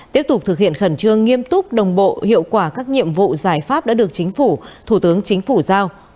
tiếp tục thực hiện khẩn trương nghiêm túc đồng bộ hiệu quả các nhiệm vụ giải pháp đã được chính phủ thủ tướng chính phủ giao